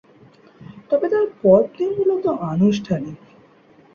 তবে তার পদটি মূলত আনুষ্ঠানিক।